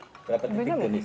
berapa titik genis